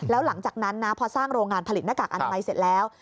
แล้วหลังจากนั้นนะพอสร้างโรงงานผลิตหน้ากากอนามัยเสร็จแล้ว